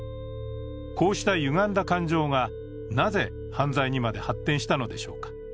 こうしたゆがんだ感情がなぜ犯罪にまで発展したのでしょうか。